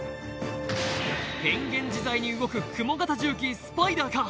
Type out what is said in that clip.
変幻自在に動くクモ型重機スパイダーか？